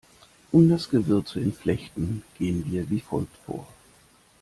Um das Gewirr zu entflechten, gehen wir wie folgt vor.